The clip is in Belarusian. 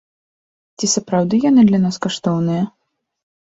Ці сапраўды яны для нас каштоўныя?